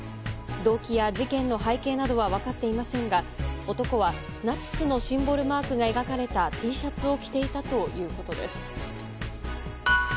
動機や事件の背景などは分かっていませんが男はナチスのシンボルマークが描かれたＴシャツを着ていたということです。